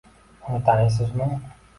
— Uni taniysizmi?